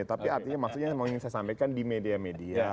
tapi artinya maksudnya ingin saya sampaikan di media media